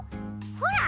ほら。